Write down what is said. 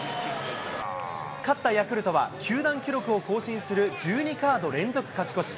勝ったヤクルトは、球団記録を更新する１２カード連続勝ち越し。